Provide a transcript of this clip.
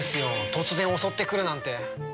突然襲ってくるなんて。